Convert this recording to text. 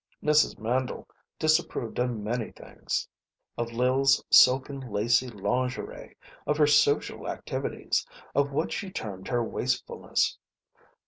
Ma Mandle disapproved of many things. Of Lil's silken, lacy lingerie; of her social activities; of what she termed her wastefulness.